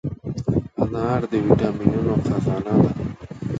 انار د ویټامینونو خزانه ده.